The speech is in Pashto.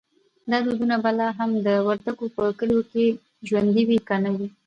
دا دودونه به لا هم د وردګو په کلیو کې ژوندی وي که نه؟